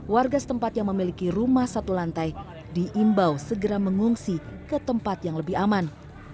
warga setempat yang memiliki rumah satu lantai diimbau segera mengungsi ke tempat yang lebih aman